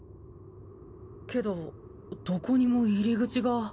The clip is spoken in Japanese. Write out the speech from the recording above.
けどどこにも入り口が。